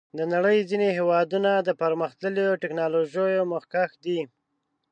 د نړۍ ځینې هېوادونه د پرمختللو ټکنالوژیو مخکښ دي.